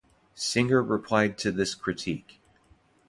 Singer replied to this critique.